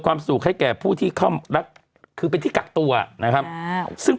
สุขให้แก่ผู้ที่เข้ารักคือเป็นที่กักตัวนะครับซึ่ง